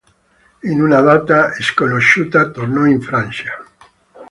In una data sconosciuta tornò in Francia.